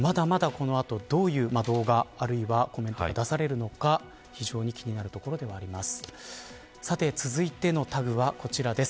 まだまだ、どういう動画やコメントが出されるのか非常に気になるところではあります。